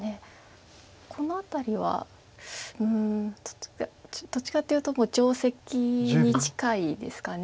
この辺りはうんどっちかというともう定石に近いですか。